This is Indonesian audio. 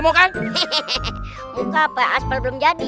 muka apa asfal belum jadi rata